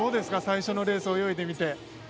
最初のレース泳いでみて。